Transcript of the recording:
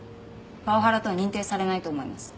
パワハラとは認定されないと思います。